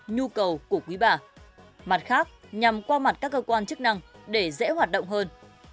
nhu cầu của quý bà mặt khác nhằm qua mặt các cơ quan chức năng để dễ hoạt động hơn